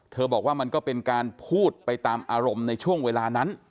บอกว่ามันก็เป็นการพูดไปตามอารมณ์ในช่วงเวลานั้น